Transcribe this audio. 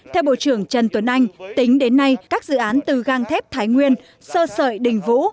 theo bộ trưởng trần tuấn anh tính đến nay các dự án từ gang thép thái nguyên sơ sợi đình vũ